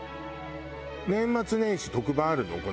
年末年始特番あるの？